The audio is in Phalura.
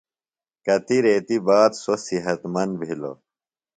کتیۡ ریتی باد سوۡ صحت مند بِھلوۡ۔